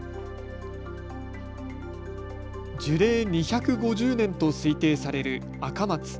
樹齢２５０年と推定される赤松。